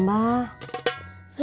karyawan harus cepat ditingkatkan